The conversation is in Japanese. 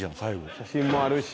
写真もあるし。